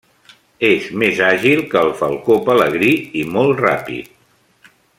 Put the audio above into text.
És més àgil que el falcó pelegrí i molt ràpid.